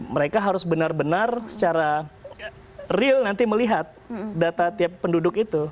mereka harus benar benar secara real nanti melihat data tiap penduduk itu